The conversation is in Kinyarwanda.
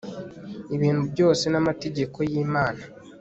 ibintu byose n amategeko yimana